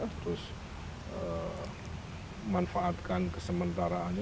terus manfaatkan kesementaraannya